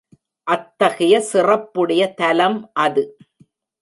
அத்தகைய சிறப்புடைய தலம் அது.